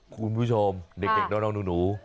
คุณผู้ชมเด็กน้องหนู